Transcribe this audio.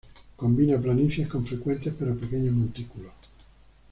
Combina planicies con frecuentes pero pequeños montículos.